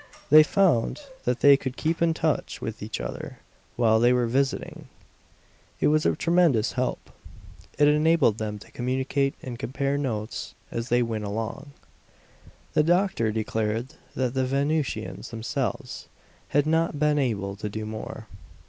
They found that they could keep in touch with each other while they were "visiting"! It was a tremendous help; it enabled them to communicate and compare notes as they went along. The doctor declared that the Venusians themselves had not been able to do more.